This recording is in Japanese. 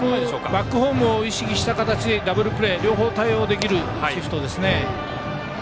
バックホームを意識した形で両方対応できるシフトですね。